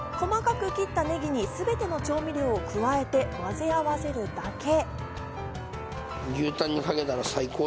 細かく切ったねぎにすべての調味料を加えて、混ぜ合わせるだけ。